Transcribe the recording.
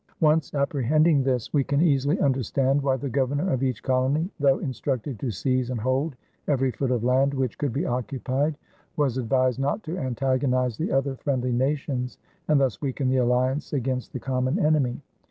Once apprehending this, we can easily understand why the governor of each colony, though instructed to seize and hold every foot of land which could be occupied, was advised not to antagonize the other friendly nations and thus weaken the alliance against the common enemy.